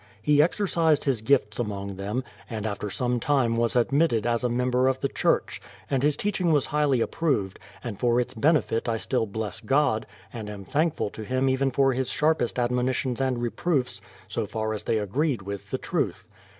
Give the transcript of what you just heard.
He exercised his gifts among them, and after some time was admitted as a member of the church; and his teaching was highly approved, and for its benefit I still bless God, and am thankful to him even for his sharp est admonitions and reproofs, so far as they agreed with the truth.